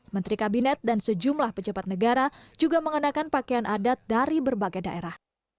menteri kabinet dan sejumlah pejabat negara juga mengenakan pakaian adat dari berbagai daerah